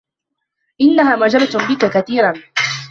إنّها معجبة بك كثيرا.